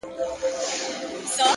ننوتی تر اوو پوښو انجام دی _